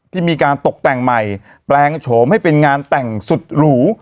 ที่มีการตกแต่งใหม่แปลงโฉมให้เป็นงานแต่งสุดหรู